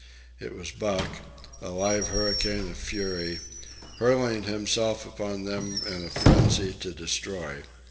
It was Buck, a live hurricane of fury, hurling himself upon them in a frenzy to destroy.